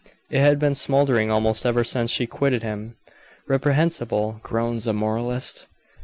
It had been smoldering almost ever since she quitted him. "Reprehensible!" groans a moralist.